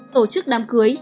tổ chức đám cưới